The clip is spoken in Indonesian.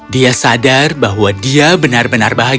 dia sadar bahwa dia benar benar bahagia